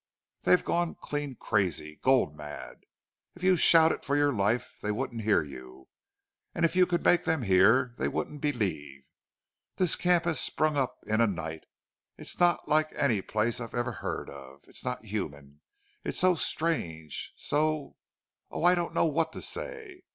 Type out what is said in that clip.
They've gone clean crazy. Gold mad! If you shouted for your life they wouldn't hear you. And if you could make them hear they wouldn't believe. This camp has sprung up in a night. It's not like any place I ever heard of. It's not human. It's so strange so Oh, I don't know what to say.